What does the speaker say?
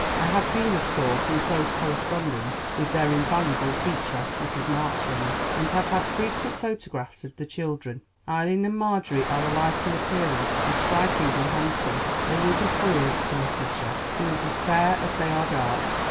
I have been, of course, in close correspondence with their invaluable teacher, Mrs. Marchland, and have had frequent photographs of the children. Eileen and Marjorie are alike in appearance and strikingly handsome; they will be foils to Letitia, who is as fair as they are dark.